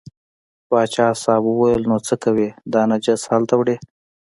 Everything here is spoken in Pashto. پاچا صاحب وویل نو څه کوې دا نجس هلته وړې.